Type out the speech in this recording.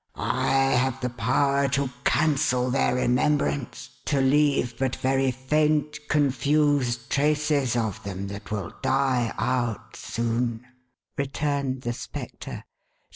" I have the power to cancel their remembrance — to leave but very faint, confused traces of them, that will die out soon," returned the Spectre.